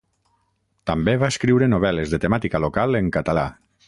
També va escriure novel·les de temàtica local en català.